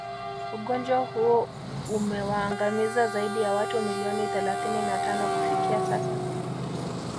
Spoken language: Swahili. Ugonjwa huo umewaangamiza zaidi ya watu milioni thalathini na tano kufikia sasa